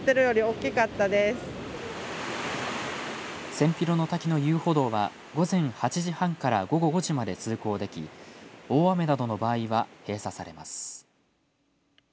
千尋の滝の遊歩道は午前８時半から午後５時まで通行でき大雨などの場合は閉鎖されます。